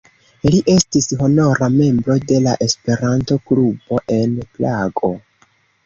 Li estis honora membro de la Esperanto-klubo en Prago.